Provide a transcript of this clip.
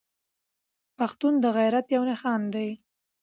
پښتون د غيرت يو نښان دی.